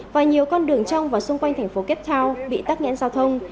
và nhiều con đường trong và xung quanh thành phố cape town bị tắt ngãn giao thông